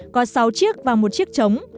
có sáu chiếc và một chiếc trống